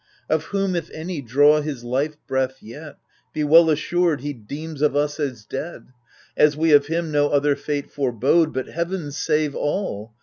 Of whom if any draw his life breath yet. Be well assured, he deems of us as dead, As we of him no other fate forebode. But heaven save all